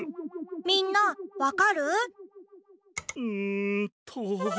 みんなわかる？んと。